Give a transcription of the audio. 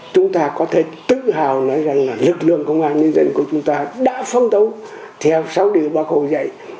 chúng ta có thể tự hào nói rằng là lực lượng công an nhân dân của chúng ta đã phong tấu theo sáu điều bác hồ dạy